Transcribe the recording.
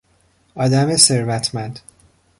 آدم ثروتمند